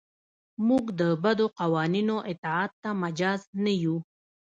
موږ د بدو قوانینو اطاعت ته مجاز نه یو.